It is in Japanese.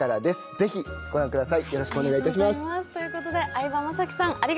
ぜひ、ご覧ください。